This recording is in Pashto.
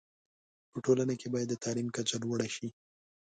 په ټولنه کي باید د تعلیم کچه لوړه شی